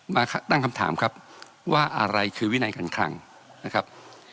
มาตั้งคำถามครับว่าอะไรคือวินัยการคลังนะครับ